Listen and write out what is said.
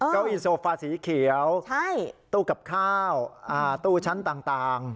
เก้าอี้โซฟาสีเขียวตู้กับข้าวตู้ชั้นต่าง